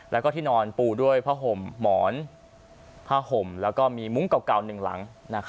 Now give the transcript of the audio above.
แล้วก็ที่นอนปูด้วยผ้าห่มหมอนผ้าห่มแล้วก็มีมุ้งเก่าหนึ่งหลัง